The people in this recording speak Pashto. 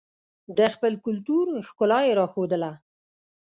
د خپل کلتور ښکلا یې راښودله.